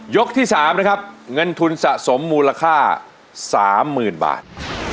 ที่๓นะครับเงินทุนสะสมมูลค่า๓๐๐๐บาท